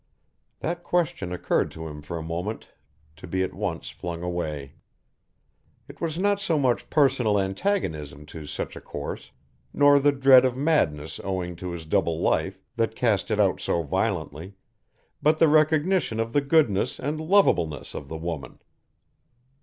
That question occurred to him for a moment to be at once flung away. It was not so much personal antagonism to such a course nor the dread of madness owing to his double life that cast it out so violently, but the recognition of the goodness and lovableness of the woman.